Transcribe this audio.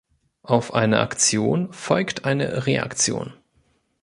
Auf eine Aktion folgt eine Reaktion.